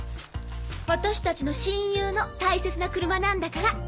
私達の親友の大切な車なんだから！